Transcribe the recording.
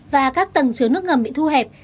và các tầng chứa nước ngầm bị thu hẹp